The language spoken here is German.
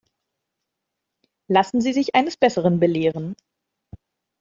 Lassen Sie sich eines Besseren belehren.